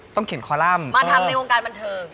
เขียนคอลัมป์มาทำในวงการบันเทิง